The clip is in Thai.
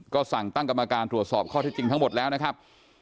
ก็สั่งตั้งกรรมการตรวจสอบข้อที่จริงทั้งหมดแล้วนะครับ